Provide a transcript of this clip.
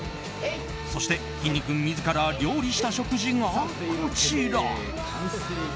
そして、きんに君自ら料理した食事がこちら。